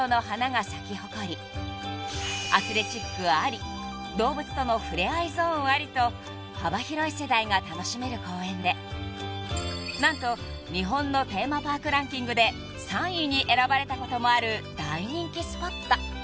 ［アスレチックあり動物とのふれあいゾーンありと幅広い世代が楽しめる公園で何と日本のテーマパークランキングで３位に選ばれたこともある大人気スポット］